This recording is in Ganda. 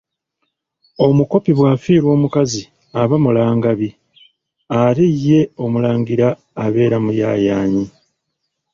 Omukopi bwafiirwa omukazi aba mulangambi ate ye omulangira abeera Muyayaanyi.